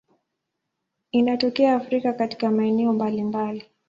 Inatokea Afrika katika maeneo mbalimbali.